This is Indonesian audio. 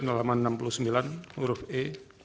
nomor enam puluh sembilan huruf e